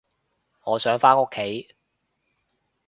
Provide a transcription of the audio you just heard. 我想返屋企